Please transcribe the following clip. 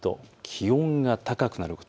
気温が高くなる。